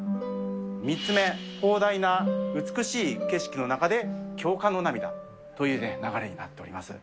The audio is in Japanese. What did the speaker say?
３つ目、広大な美しい景色の中で共感の涙という流れになっております。